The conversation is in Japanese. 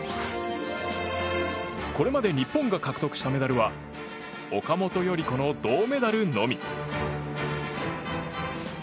これまで日本が獲得したメダルは岡本依子の銅メダルのみ。